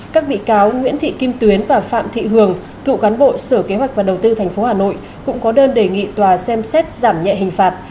các bị cáo nguyễn thị kim tuyến và phạm thị hường cựu cán bộ sở kế hoạch và đầu tư tp hà nội cũng có đơn đề nghị tòa xem xét giảm nhẹ hình phạt